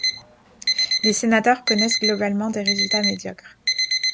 Les Senators connaissent globalement des résultats médiocres.